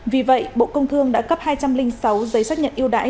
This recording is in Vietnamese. vì vậy bộ công thương đã cấp hai trăm linh sáu giấy xác nhận yêu đãi